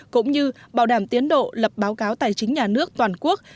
cũng như bảo đảm tiến độ lập báo cáo tài chính nhà nước toàn quốc